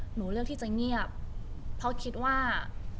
หนูเลือกที่จะเงียบเพราะคิดว่า